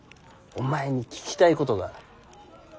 お前に聞きたいことがある。